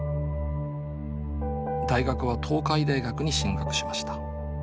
大学は東海大学に進学しました。